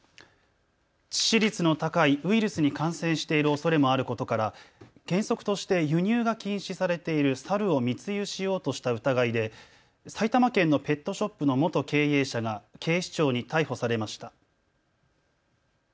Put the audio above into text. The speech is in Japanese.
致死率の高いウイルスに感染しているおそれもあることから原則として輸入が禁止されている猿を密輸しようとした疑いで埼玉県のペットショップの元経営者が警視庁に逮捕されました。